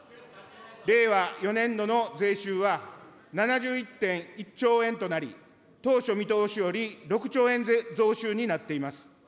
令和４年度の税収は７１．１兆円となり、当初見通しより６兆円増収になっています。